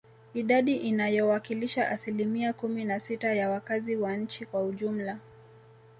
Idadi inayowakilisha asilimia kumi na sita ya wakazi wa nchi kwa ujumla